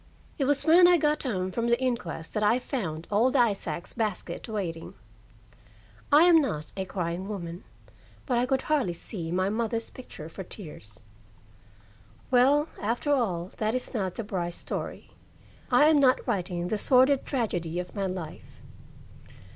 It was when I got home from the inquest that I found old Isaac's basket waiting. I am not a crying woman, but I could hardly see my mother's picture for tears. Well, after all, that is not the Brice story. I am not writing the sordid tragedy of my life.